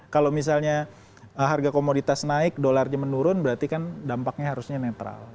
kalau misalnya harga komoditas naik dolarnya menurun berarti kan dampaknya harusnya netral